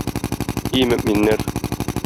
И, мөэминнәр!